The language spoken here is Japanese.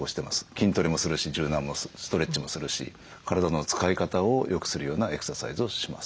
筋トレもするし柔軟もするしストレッチもするし体の使い方をよくするようなエクササイズをします。